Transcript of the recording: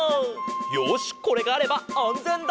よしこれがあればあんぜんだ！